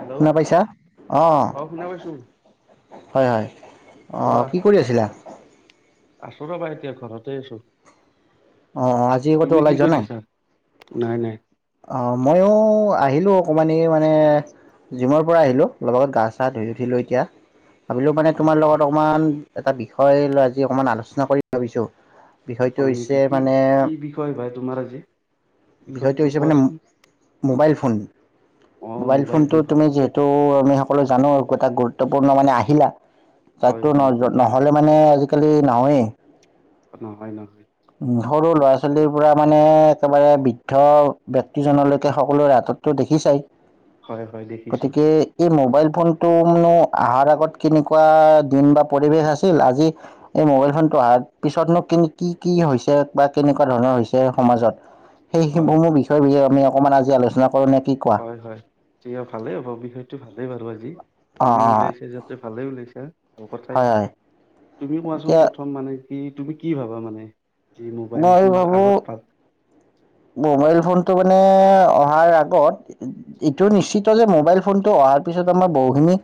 Hello শুনা পাইছা অ শুনা পাইছো হয় হয় অ কোৱা কি কৰি আছিলা আছো ৰবা এতিয়া ঘৰতে আছো। অ অ আজি আগতো তুমি ওলাই কি যোৱা নাই কৰিছা নাই নাই অ মইও আহিলো অকমান মানে জিমৰ পৰা আহিলো লগ লগত গা চা ধুই উঠিলো এতিয়া। ভাবিলোঁ মানে হয় তোমাৰ লগত অকণমান এটা বিষয় লৈ আজি অকমান আলোচনা কৰিম ভাবিছো হয় নেকি কি কি বিষয় ভাই তোমাৰ আজি বিষয় বিষয়টো মানে মোবাইল ফোন অ মোবাইল ফোনটো ফোন ভাল তুমি যিহেতু আমি সকলো জানো একো এটা গুৰুত্বপূৰ্ণ মানে আহিলা হয় তাকতো ন হয় হয় নহ'লে মানে আজিকালি নহয়ে। নহয় নহয়। উম সৰু ল'ৰা ছোৱালী পুৰা মানে একেবাৰে বৃদ্ধ ব্যক্তিজনলৈকে সকলোৰে হাততো দেখি চায়। হয় হয় দেখিছো। এই মোবাইল ফোনটোনো অহাৰ আগত কেনেকুৱা দিন বা পৰিৱেশ আছিল, আজি এই মোবাইল ফোনটো অহাৰ পিছতনো কিন কি কি হৈছে বা কেনেকুৱা ধৰণৰ হৈছে সমাজত। সেইহে হয় মোৰ বিষয়ে বিয়ে আমি অকমান আজি আলোচনা নে কি কোৱা? হয় হয়, ভালেই হ'ব বিষয়টো ভাল। স পাৰঁ [inaudible] আজি। অ', তুমি অ', ওলাইছা যাতে ভালে ওলাইছা ভ কথাই, হয় হয়। তুমি কোৱাচোন এতিয়া প্ৰথম মানে? কি তুমি কি ভাবা মানে। যি মই মোবাইলটো আগত ভাবোঁ পাম। মোবাইল ফোনটো মানে অহাৰ আগত, এইটো নিশ্চিত যে মোবাইল ফোনটো অহাৰ পিছত আমাৰ বহুখিনি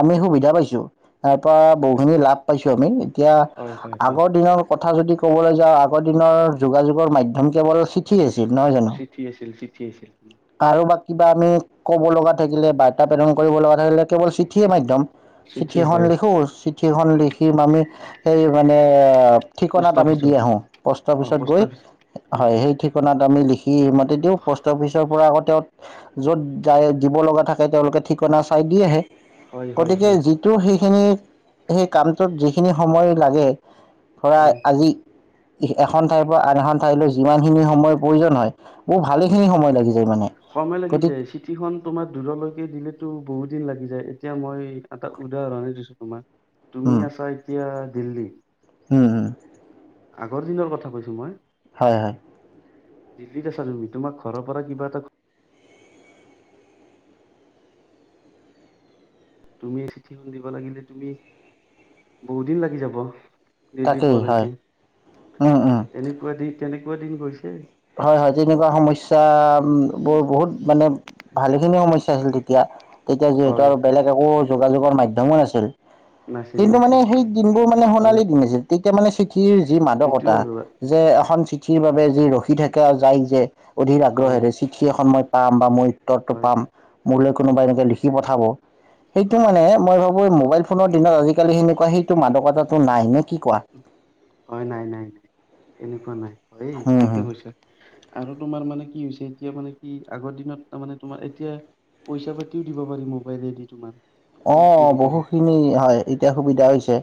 আমি, সুবিধা পাইছো। তাৰ পৰা বহু খিনি লাভ পাইছো। কমি এতিয়া, হয় হয় হয় আগৰ দিনৰ কথ কথা যদি ক'বলৈ যাওঁ আগৰ দিনৰ যোগাযোগৰ মাধ্যম কেৱল ঠিক আছে। নহয় জানো, চিঠি আছিল চিঠি আছিল কাৰোবাক কিবা আমি ক'ব লগা থাকিলে বাৰ্তা প্ৰেৰণ কৰিব লগা থাকিলে কেৱল চিঠিয়ে মাধ্যম। চিঠি চিঠিখন হয় লিখো, চিঠিখন হয় লিখিম আমি সেই মানে, পোষ্ট ঠিকনাত আমি দি অফিচত আহো পষ্ট অ অফিচত পোষ্ট গৈ, অফিচ অ হয় সেই তাত আমি লিখি মাতি দিওঁ প'ষ্ট অফিচৰ পৰা আকৌ তেওঁ, য'ত যায় দিব লগা থাকে তেওঁলোকে ঠিকনা চাই দি আহে। হয় হয় গতিকে হয় যিটো সেইখিনি সেই কামটোত যিখিনি সময় লাগে খৰাই হয় আজি এখন ঠাইৰ পৰা আন এখন ঠাইলৈও যিমান খিনি সময়ৰ প্ৰয়োজন হয় মোৰ ভালে হয় খিনি সময় লাগি যায় মানে। সময় লাগি গতিকে যায় চিটি খন তোমাৰ দূৰলৈকে দিলেতো বহুত বহুত দিন লাগি যায় এতিয়া মই এটা উদাহৰণে দিছো তোমাক। তুমি আছা এতিয়া দিল্লী হুম, হুম। আগৰ দিনৰ কথা কৈছো মই হয় হয় দিল্লীত আছা তুমি তোমাক ঘৰৰ পৰা কিবা এটা তুমি চিঠিখন দিব লাগিলে তুমি বহু দিন লাগি যাব দিল্লী তাকেই পোৱা হয় লৈকে উম উম তেনেকুৱা দি তেনেক কুৱা দিন গৈছে হয় হয় তেনেকুৱা সমস্যা বোৰ বহুত মানে ভালেখিনি সমস্যা আছিল তিতিয়া তেতিয়া যিহেতু হয় আৰু বেলেগ একো যোগাযোগৰ মাধ্যমো নাছিল নাছিল কিন্তু মানে নাছিল সেই দিনবোৰ মানে হয় সোণালী দিন আছিল তে মানে চিঠিৰ যি সেইটোৱে মাদকতা আৰু যে হয় এখন চিঠিৰ বাবে যি ৰখি ৰখি থাকে যায় যে অধিক হয় আগ্ৰহেৰে চিঠি এখন মই পাম বা মই উত্তৰটো হয় পাম হয় মোলে কোনোবা হয় এনেকে লিখিব পঠাব সেইটো হয় মানে মই ভা বো মোবাইল ফোনৰ দিনত আজি কালি হেনেকুৱা সেইটো মাদকতাটো নাই নে কি কোৱা হয় নাই নাই এনেকুৱা নাই হয়ে হম ঠিকে হম কৈছা আৰু তোমাৰ মানে কি হৈছে এতিয়া মানে কি আগৰ দিনত তামানে তোমাৰ এতিয়া পইচা পাতিও দিব পাৰি মোবাইলেদি তোমাৰ অ ইউ পি আই কৰি বহুখিনি হয় এতিয়া সুবিধা হৈছে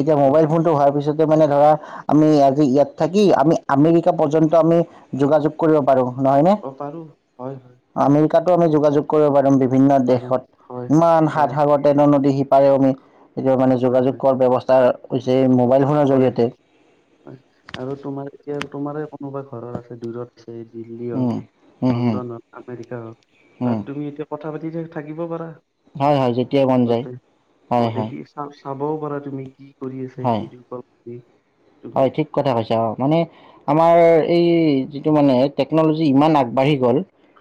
এতিয়া হয় মোবাইল ফোনটো হোৱাৰ পিছতে মানে ধৰা আমি আজি ইয়াত থাকি আমি আমেৰিকা পৰ্যন্ত আমি যোগাযোগ কৰিব পাৰোঁ অ পাৰোঁ হয় তাতো আমি যোগাযোগ কৰিব পাৰিম বিভিন্ন পাৰো দেশত হয় ইমান হাত হয় নদী সিপাৰেও আমি এতিয়াওঁ মানে হয় যোগাযোগ হয় কৰা ব্যৱস্থাৰ কৈছে মোক হয় হয় আৰু তোমাৰ এতিয়া তোমাৰে কোনোবা ঘৰত আছে দূৰত দিল্লী হওক উম, হুম, হুম, লণ্ডন হওক আমেৰিকা হওক হুম, তাত তুমি এতিয়া কথা পাতি নিজে থাকিব পাৰা। হয় হয় যেতিয়া মন যায় সিহঁতে অ হয় হয়। দেখি চা চাবও পাৰা তুমি কি কৰি আছা এই হয় ভিডিঅ কল কৰি তুমি হয় ঠিক কথা কৈছা অ মানে আমাৰ এই যিটো মানে টেকন'লজি ইমান আগবাঢ়ি গ'ল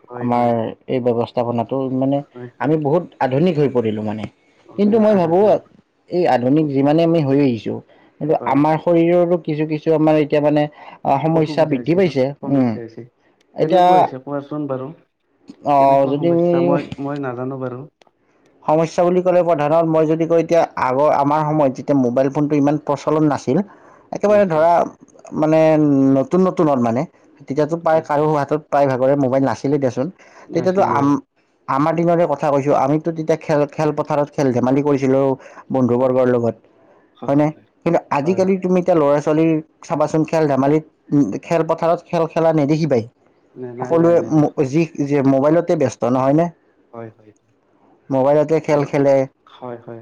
হয় আমাৰ হয় এই ব্যৱস্থা যাব নাত মানে হয় হয় আমি বহুত আধুনিক হৈ ই পৰিলোঁ মানে। কিন্তু হয় মই ভাবো আধুনিক এই আধুনিক আমি যিমানে আমি হৈ যে আহিছো কিন্তু হয় আমাৰ শৰীৰৰ কিছু কিছু আমাৰ এতিয়া মানে সমস্যা অসুবিধা বৃদ্ধি হৈছে ন পাইছে উম সমস্যা হৈছে এতিয়া কেনেকুৱা হৈছে কোৱাচোন বাৰু? অ কেনেকুৱা সমস্যা যদি মই মই নাজানো বাৰু। সমস্যা বুলি ক'লে প্ৰধানত মই যদি কওঁ এতিয়া আগৰ আমাৰ সময়ত যেতিয়া মোবাইল ফোনটো ইমান প্ৰচলন নাছিল, একেবাৰে নাছিল ধৰা হয় মানে নতুন নতুন নতুনত মানে তেতিয়াটো পায় হয় কাৰো হাতত তাই ভাগৰে মোবাইল নাছিলোঁ দেচোন। নাছিলে অঁ। আমাৰ দিনৰে কথা কৈছো আমি তেতিয়া খেল খেলপথাৰত খেল ধেমালি কৰিছিলো। বন্ধু হয় বৰ্গৰ লগত হয় নে? কিন্তু হয় আজিকালি তুমি এতিয়া ল'ৰা ছোৱালী চাবাচোন খেল ধেমালিত খেলপথাৰত খেল খেলা নেদেখিবাই। নাই নাই নাই সকলোৱে নাই মোক দেখোন বেছি যি যে মোবাইলতে ব্যস্ত নহয় নে? হয় হয় হয়। খেল আৰু খেলে হয় হয়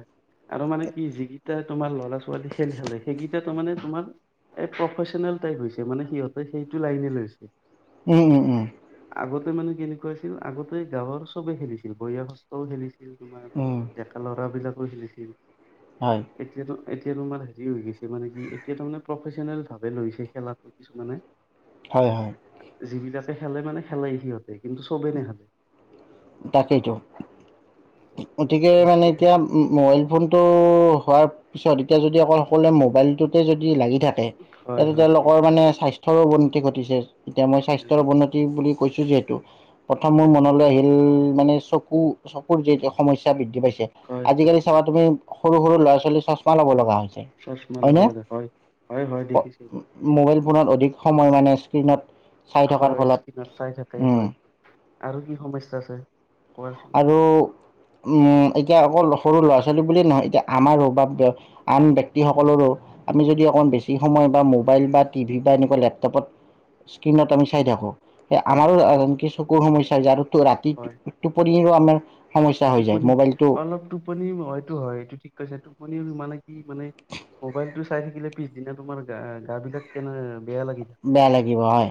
আৰু মানে কি যিকিটা তোমাৰ ল'ৰা ছোৱালী খেল খালে সেই হেতু মানে তোমাৰ প্ৰফেচনেল টাইপ হৈছে মানে সিহঁতে সেইটো লাইনে লৈছে উম উম উম আগতে মানে কেনেকুৱা আছিল আগতে গাঁৱৰ চবে খেলিছিল বয়সস্থও খেলিছিল তোমাৰ উম, ডেকা ল'ৰা বিলাক সিহঁতে খেলিছিল হয়, এতিয়াটো এতিয়া তোমাৰ হেৰি হৈ গৈছে মানে কি এতিয়া তাৰ মানে প্ৰফেচনেল ভাৱে লৈছে খেলাটো কিছুমানে হয় হয় যিবিলাকে খেলে মানে খেলে সিহঁতে কিন্তু চবেই নেখেলে তাকেইতো গতিকে মানে এতিয়া মোবাইল ফোনটো হোৱাৰ পিছত এতিয়া যদি অকল সকলোৱে মোবাইলটোতে যদি লাগি থাকে হয় তাতে হয় হয় তেওঁলোকৰ মানে স্বাস্থ্য ৰ অৱনতি ঘটিছে এতিয়া মই হয় স্বাস্থ্যৰ অৱনতি বুলি কৈছোঁ যিহেতু প্ৰথম মোৰ হয় মনলৈ আহিল উ মানে চকু চকুৰ যি সমস্যা বৃদ্ধি পাইছে হয় হয় আজিকালি হয় চাবা তুমি সৰু সৰু ল'ৰা ছোৱালী চশমা ল'ব লগা হয় চশমা লব লাগে হয় হয় হয় প- দেখিছোঁ মোবাইল ফোনত অধিক সময় মানে স্ক্ৰীণত চাই থকাৰ হয় ফলত স্কিনত চাই থাকে উম। হয় আৰু কি সময় সমস্যা আছে কোৱাচোন আৰু এতিয়া আকৌ সৰু ল'ৰা ছোৱালী বুলিয়ে নহয় এতিয়া আমাৰো বা আন ব্যক্তিসকলৰো আমি যদি অকণমান বেছি সময় বা মোবাইল বা টিভি বা এনেকুৱা লেপটপত স্ক্ৰীণত আমি চাই থাকোঁ হয় আমাৰো সাধাৰনতে চকুৰ সমস্যা যাৰ ৰাতি হয় টোপনি তো আমাৰ সমস্যা হৈ যায় টোপনি মোবাইলটো অলপ টোপনি হয়টো হয় এইটো ঠিক কৈছা শুনি শুনি মানে কি মানে মোবাইলতটো চাই থাকিলে পিছদিনা তোমাৰ গা গাবিলাক কেনেকা বেয়া লাগিব হয়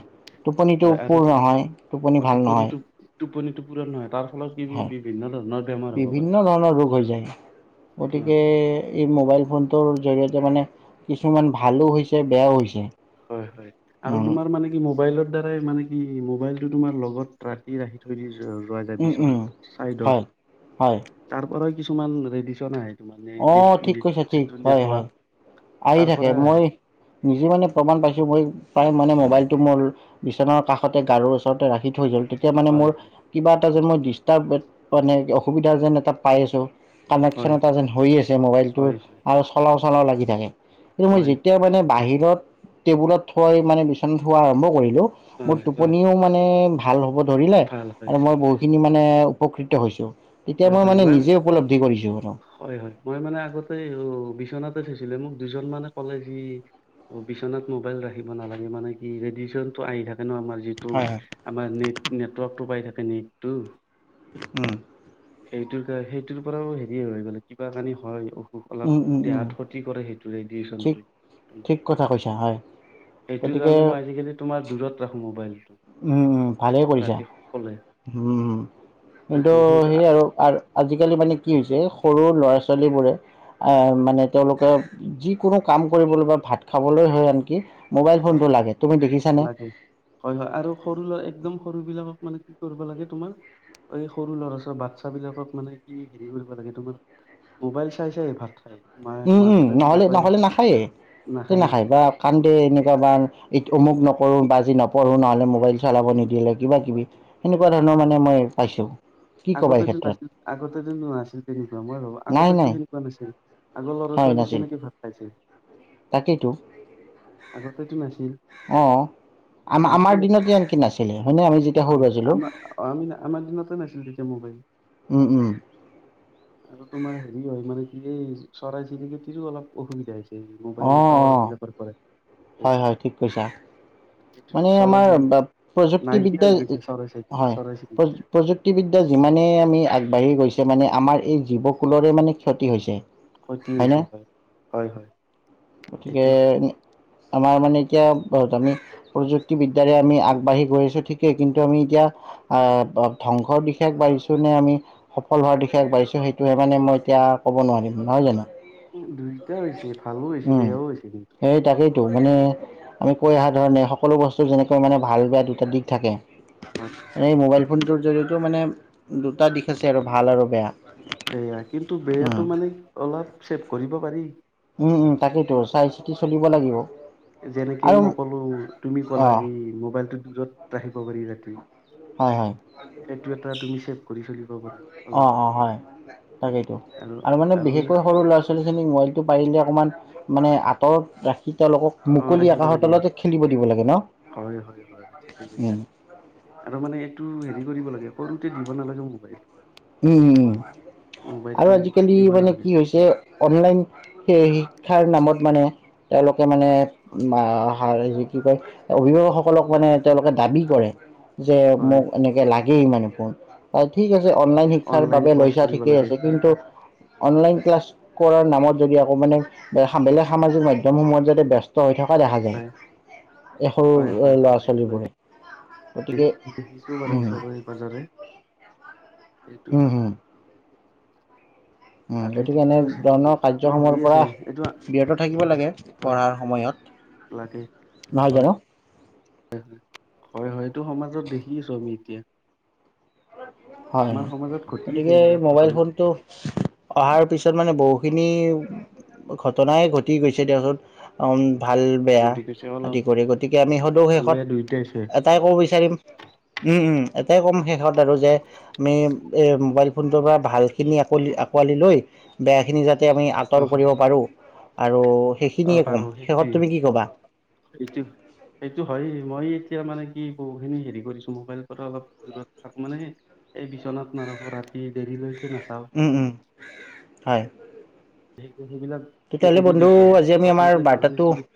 হয় টোপনিটোও আৰু পূৰ তো- নহয় টোপনি অ, ভাল নহয় টোপনিটো টোপনিটো পুৰণ নহয় তা ফলত বি হয় বিভিন্ন ধৰনৰ বিভিন্ন ধৰণৰ ৰোগ হৈ যায় অ গতিকে এই মোবাইল ফোন তউ জৰিয়তে মানে কিছুমান ভালো হৈছে বেয়াও হৈছে হয় হয় আৰু উম তোমাৰ মানে কি মোবাইলত দ্বাৰাই মানে কি মোবাইলটো তোমাৰ লগত ৰাখি ৰাখি থৈ দিছো ৰ গোৱা যায় উম উম বিচনাত চাইডত হয় হয় তাৰ পৰা কিছুমান ৰেডিচন আহে তোমাৰ অ নেট ঠিক কৈছে ঠিক যিটো হয় নেটৱৰ্ক হয় আহি তাৰ থাকে পৰা আহে মই নিজে মানে প্ৰমাণ পাইছোঁ মই প্ৰায় মানে মোবাইলটো মোৰ বিচনাৰ কাষতে গাৰুৰ ওচৰতে ৰাখি থৈ যল তেতিয়া মানে হয় হয় মোৰ কিবা তাছত মই ডিষ্টাৰ্ব মানে অসুবিধা যেন এটা পাই আছো কানেকশ্যন হয় এটা যেন কৰি আছে হয় মোবাইলটোৰ হয় হয় আৰু চলা চলা লাগি থাকে কি মই হয়, যেতিয়া মানে বাহিৰত টেবুলত থৈ মানে বিচন থোৱা আৰম্ভ কৰি। লো মোৰ হয়, হয়, টোপনিও মানে ভ ভাল হ'ব ধৰিলে ভাল আৰু হৈছে মই হয়। বহুখিনি মানে উপকৃত হৈছোঁ তেতিয়া হয়, মই হয়, মানে নিজে উপলব্ধি কৰিছো হো হয়, হয়, মই মানে আগতে অ বিচনাতে থৈছিলে মোক দুজন মানে ক'লে যি অ বিচনাত মোবাইল ৰাখিব নালাগে মানে কি ৰেডিচন টো আহি থাকে। নো আমাৰ যিটো হয় হয় আমাৰ নেট নেটৱৰ্কতটো পাই থাকে। কানেক্ট টো উম সেইটোৰ কাৰ সেইটোৰ পৰাও হেৰিয়ে হৈ গলে কিবা কানি হয় অলপ উম উম উম দেহাত ক্ষতি কৰে সেইটো ঠিক ৰেডিয়েচনটোৱে ঠিক কথা কৈছা হয় সেইটো গতিকে কাৰণে মই আজিকালি তোমাৰ দূৰত ৰাখো মোবাইলটো উম উম ভালেই কৰিছা ৰাতি শুলে। উম এইটো সেই আৰু আৰু আজিকালি মানে কি হৈছে সৰু ল'ৰা ছোৱালীবোৰে আ হয়, মানে তেওঁলোকে যিকোনো কাম কৰিবলৈ বা ভাত খাবলৈ হৈ আনকি মোবাইল ফোনটো হয় লাগে তুমি দেখিছানে লাগে হয় হয় আৰু সৰু ল একদম সৰু বিলাকক মানে কি কৰিব লাগে তোমাৰ এই সৰু ল'ৰা ছৰ বাচ্ছ বিলাকক মানে কি হেৰি কৰিব লাগে তোমাৰ মোবাইল চাই চাই ভাত খাই উম উম নহ'লে নহ'লে নাখায়ে স নাখায় বা কান্দে এনেক কেতিয়াবা অমুক নকৰো বা আজি নপঢ়ো হয় নহ'লে মোবাইল চলাব নিদিলে কিবা কিবি হয় সেনেকুৱা ধৰণৰ মানে মই। পাইছোঁ কি ক'বা এই আগতে যোন ক্ষেত্ৰত নাছিল আগতে যোন ন নাছিল তেনেকুৱা মই ভো নাই আগতেতো নাই সেনেকুৱা নাছিল আগৰ ল'ৰা হয় ছোৱালী নাছিল কেনেকে ভাল পাইছিল। তাকেইতো আগতেটো নাছিল অঁ আম এইটো আমাৰ দিনত এনেকে নাছিলে হয়নে আমি যেতিয়া সৰু আছিলো আমাৰ আমি আমাৰ দিনতে নাছিল। মোবাইলো। উম উম আৰু তোমাৰ হেৰি হয় মানে চৰাই চিৰিকেতি অলপ অসুবিধা আ হৈছে এই অ মোবাইলৰ টাৱাৰ অ পিলা পাৰ পৰাৰে হয় হয় ঠিক কৈছা মানে চৰাই আমাৰ চিৰিকটি নাইকিয়া প্ৰযুক্তিবিদ্যা হৈ গৈছে চৰাই চিৰিকটি হয় চৰাই চিৰিকটি প্ৰযুক্তিবিদ্যা যিমানেই আমি আগবাঢ়ি গৈছো। মানে আমাৰ এই জীৱকুলৰে মানে ক্ষতি হৈছে ক্ষতি হয়নে হৈছে হয় হয় হয় গতিকে এইটো হয়। আমাৰ মানে এতিয়া বহুত আমি প্ৰযুক্তিবিদ্যয়াৰে আমি আগবাঢ়ি গৈ আছো ঠিকেই কিন্তু আমি এতিয়া আহ ধ্বংসৰ দিশ আ বাঢ়িছো নে আমি সফল হোৱাৰ দিশে আ বাঢ়িছো সেইটোহে মানে মই এতিয়া ক'ব নোৱাৰিম নহয় জানো। উ দুইটা হৈছে ভাল হৈছে উম বেয়াও হৈছে কিন্তুটো সেই তাকেইতো মানে আমি কৈ অহা ধৰণে সকলো বস্তু যেনেকৈ মানে ভাল বেয়া দুটা দিশ থাকে। হয় হয়। মানে মাইবাইল ফোনটোৰ জৰিয়তেও মানে দুটা দিশ আছে আৰু ভাল আৰু বেয়া। সেয়া কিন্তু বেয়াটো উম মানে অলপ চেভ কৰিব পাৰি। উম উম তাকেইতো চাই চিতি চলিব লাগিব যেনেকে আৰু মই ক'লো তুমি ক'লা অঁ যে মোবাইলটো দূৰত ৰাখিব আহিব পাৰি ৰাতি হয় হয় সেইটো এটা তুমি চ কৰি চাকিব পাৰ অ অ হয় তাকেইতো আৰু মানে বিশেষকৈ সৰু ল'ৰা ছোৱালী মোবাইলটো পাৰিলে অকমান। মানে আঁতৰত ৰাখ। অ ৰাখিব লাগে দিব লাগে ন হয় হয় হয় ঠিকে উম কৈছা আৰু মানে এইটো হেৰি কৰিব লাগে সৰুতে দিব নালাগে মোবাইল। উম উম আৰু মোবাইলটো আজিকালি দিব মানে নালাগে কি হৈছে অনলাইন এই শিক্ষাৰ নামত মানে তেওঁলোক- মানে হয়। বা কি কয় অভিভাৱকসকলক মানে তেওঁলোকে দাবী কৰে। যে হয় মোক এনেকে লাগ গেই মানে ফোন ঠিক আছে- অনলাইন শিক্ষাৰ অনলাইন বাবে ক্লাছ লৈছা কৰিব ঠিকেই লাগে আছে কিন্তু অনলাইন ক্লাছ কৰাৰ নামত যদি আকৌ মানে বেলেগ সামাজিক মাধ্যমসমূহত যাতে ব্যস্ত হৈ থাক দেখা যায় হয় এই সৰু এ ল'ৰা ছোৱালীবোৰে। গতিকে দেখিছোঁ বাৰু উম, ওচৰৰে পাজৰে। এইটো হুম হয় হুম। উ তাকে গতিকে ঠিকেই এনে কৈছা তুমি ধৰণৰ সেইটো কাৰ্যসমুহৰ হৈয়ে পৰা আছে এইটো বীৰত্ব থাকিব লাগে হয় পঢ়াৰ সময়ত। লাগে নহয় হয় জানো? হয় হয়টো সমাজত দেখিছো আমি এতিয়া। [unintelligible] হয় আমাৰ সমাজত ঘটি আছে গতিকে এই এইবিলাক মোবাইল ঘটনা ফোনটো অহাৰ পিছত- তাৰ মানে বহুখিনি ঘটনাই ঘটি গৈছে তাৰপাছত অম ভাল বেয়া ঘটি গৈছে অলপ আদি কৰি গতিকে আমি সদৌ ভাল শেষত বেয়া দুয়োটাই আছে এটাই ক'ব বিচাৰিম উম উম। এটাই কম শেষত- আৰু যে আমি এই মোবাইল ফোনটোৰ পৰা ভালখিনি আ আঁকোৱালি লৈ বেয়াখিনি যা আমি আঁতৰ অ কৰিব হয় পাৰো। অ বাৰু সেইটোৱে কি ক'বা? সেটো সেইটো হয় মই এতিয়া মানে কি [unintelligible] খিনি হেৰি কৰিছোঁ মোবাইলৰ পৰা অলপ দৰত থাকো মানে এই বিচনাত নাৰাখোঁ। ৰাতি দেৰিলৈকে নাচাওঁ। উম, উম, হয়। [unintelligible] সেইবিলাক তেতিয়াহ'লে এৰি বন্ধু দিছো আজি আমি আমাৰ প্ৰথমতে বাৰ্তাটো নাজানিছিলো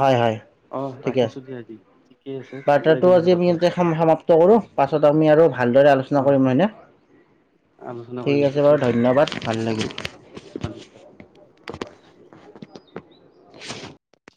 হয় হয়। ঠিকে আছে, ঠিকে আছে ভাল বাৰ্তাটো লাগিলে যে আজি আমি কথা পাতি এইয়াতে তোমাৰ লগত সমাপ্ত কৰো। পাছত আমি আৰু ভালদৰে আলোচনা অ কৰিম নহয়নে। আলোচনা ঠিক কৰিম আছে ঠিকে বাৰু দিয়া ধন্যবাদ হ'ব ভাল লাগিল। ধন্যবাদ [unintelligible]